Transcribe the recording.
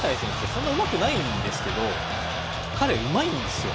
そんなにうまくないんですけど彼、うまいんですよ。